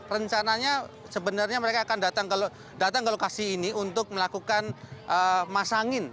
rencananya sebenarnya mereka akan datang ke lokasi ini untuk melakukan masangin